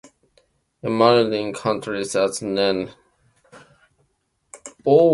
In Maryland it continues as N. Orleans Road.